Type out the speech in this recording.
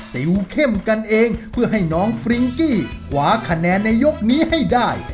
ติวเข้มกันเองเพื่อให้น้องฟริ้งกี้ขวาคะแนนในยกนี้ให้ได้